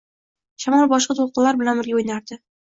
shamol boshqa to‘lqinlar bilan birga o‘ynardi